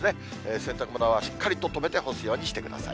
洗濯物はしっかりと留めて干すようにしてください。